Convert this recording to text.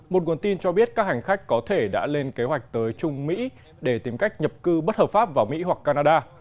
một nguồn tin cho biết các hành khách có thể đã lên kế hoạch tới trung mỹ để tìm cách nhập cư bất hợp pháp vào mỹ hoặc canada